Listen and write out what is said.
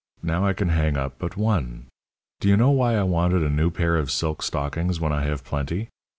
Now I can hang up but one. Do you know why I wanted a new pair of silk stockings when I have plenty?